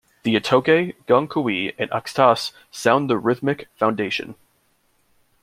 The atoke, gankogui, and axatse sound the rhythmic foundation.